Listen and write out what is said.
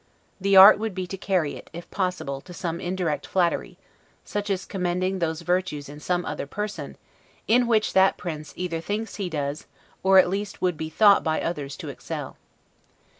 The art would be to carry it, if possible, to some indirect flattery; such as commending those virtues in some other person, in which that prince either thinks he does, or at least would be thought by others to excel.